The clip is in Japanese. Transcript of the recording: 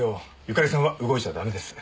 由香利さんは動いちゃ駄目です。